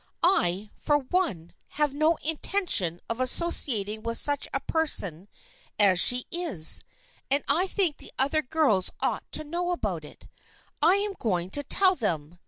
I, for one, have no intention of associating with such a person as she is, and I THE FRIENDSHIP OF ANNE 235 think the other girls ought to know about it. I am going to tell them.